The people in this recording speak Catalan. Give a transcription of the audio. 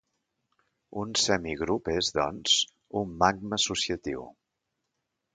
Un semigrup és doncs, un magma associatiu.